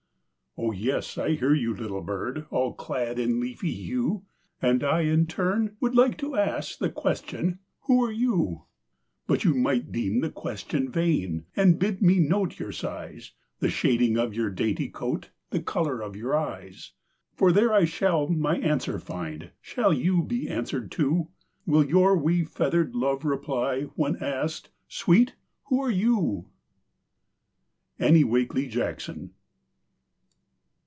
O yes, I hear you, little bird, All clad in leafy hue; And I in turn, would like to ask The question, "Who are you?" But you might deem the question vain, And bid me note your size; The shading of your dainty coat; The color of your eyes. For there I shall my answer find. Shall you be answered, too? Will your wee feathered love reply, When asked, "Sweet, who are you?" —Annie Wakely Jackson.